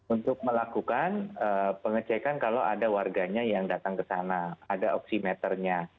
untuk melakukan pengecekan kalau ada warganya yang datang ke sana ada oksimeternya